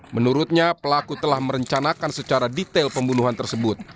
menurutnya pelaku telah merencanakan secara detail pembunuhan tersebut